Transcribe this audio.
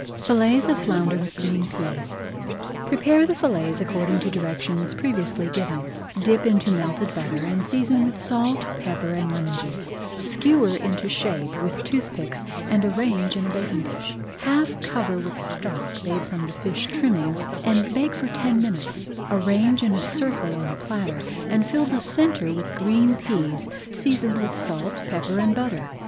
FILLETS OF FLOUNDER WITH GREEN PEAS Prepare the fillets according to directions previously given, dip into melted butter, and season with salt, pepper, and lemon juice. Skewer into shape with toothpicks and arrange [Page 147] in a baking dish. Half cover with stock made from the fish trimmings and bake for ten minutes. Arrange in a circle on a platter, and fill the centre with green peas seasoned with salt, pepper, and butter.